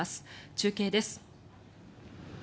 中継です。